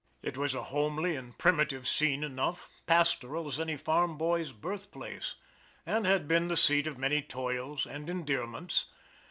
] It was a homely and primitive scene enough, pastoral as any farm boy's birth place, and had been the seat of many toils and endearments.